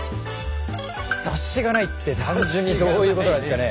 「雑誌がない」って単純にどういうことなんですかね？